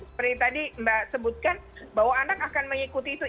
seperti tadi mbak sebutkan bahwa anak akan mengikuti itu